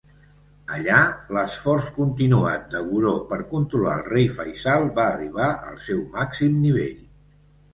Allà, l'esforç continuat de Gouraud per controlar el rei Faisal va arribar al seu màxim nivell.